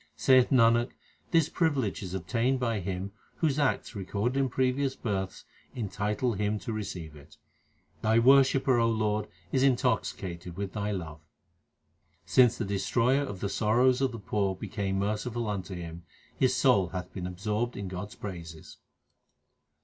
Saith Nanak, this privilege is obtained by him whose acts recorded in previous births entitle him to receive it. Thy worshipper, O Lord, is intoxicated with Thy love. Since the Destroyer of the sorrows of the poor became merciful unto him, his soul hath been absorbed in God s praises.